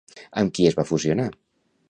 Amb qui es va fusionar?